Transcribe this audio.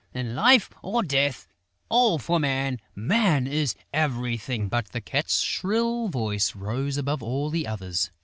In life or death, all for Man!... Man is everything!..." But the Cat's shrill voice rose above all the others.